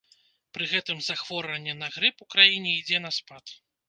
Пры гэтым захворванне на грып у краіне ідзе на спад.